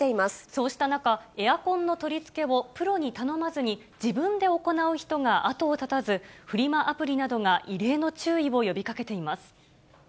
そうした中、エアコンの取り付けをプロに頼まずに自分で行う人が後を絶たず、フリマアプリなどが異例の注意を呼びかけています。